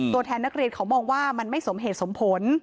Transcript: ตัวแทนนักเรียนเขามองว่ามันไม่สมเหตุสมผล